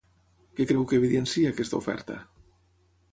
Què creu que evidencia aquesta oferta?